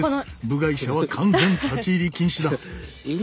部外者は完全立ち入り禁止だ。